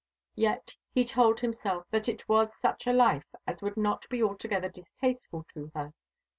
Yet he told himself that it was such a life as would not be altogether distasteful to her.